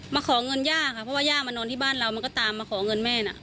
ขอเงินย่าค่ะเพราะว่าย่ามานอนที่บ้านเรามันก็ตามมาขอเงินแม่น่ะ